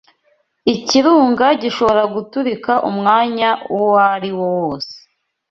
Ikirunga gishobora guturika umwanya uwariwo wose.